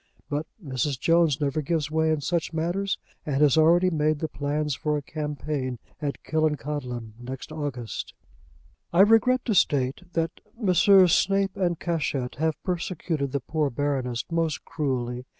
But Mrs. Jones never gives way in such matters, and has already made the plans for a campaign at Killancodlem next August. I regret to state that Messrs. Snape and Cashett have persecuted the poor Baroness most cruelly.